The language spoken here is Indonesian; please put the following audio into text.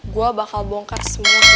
gue bakal bongkar semua cucian lo